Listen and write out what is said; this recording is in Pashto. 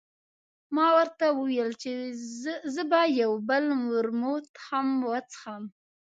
ما ورته وویل، زه به یو بل ورموت هم وڅښم.